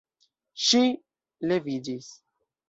Ŝi leviĝis.